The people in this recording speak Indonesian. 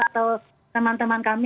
atau teman teman kami